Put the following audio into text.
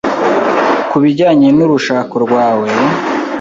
ku bijyanye n’urushako rwawe